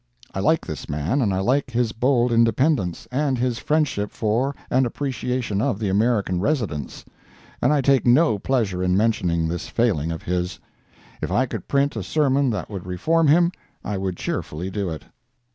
I like this man, and I like his bold independence, and his friendship for and appreciation of the American residents; and I take no pleasure in mentioning this failing of his. If I could print a sermon that would reform him, I would cheerfully do it.